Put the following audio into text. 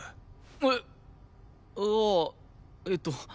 えっ？ああえっと。